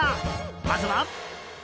まずは。